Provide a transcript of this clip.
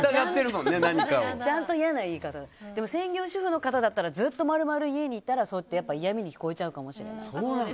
でも専業主婦の方だったらずっと丸々家にいたら嫌味に聞こえちゃうかもしれない。